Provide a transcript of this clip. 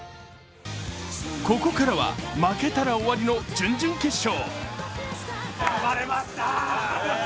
ここからは負けたら終わりの準々決勝。